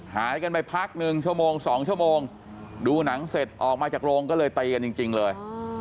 หายกันไปพักหนึ่งชั่วโมง๒ชั่วโมงดูหนังเสร็จออกมาจากโรงก็เลยตีกันจริงเลย